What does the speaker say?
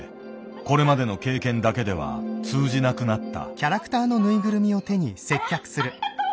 これまでの経験だけでは通じなくなった。